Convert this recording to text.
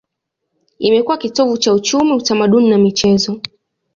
Imekuwa kitovu cha uchumi, utamaduni na michezo.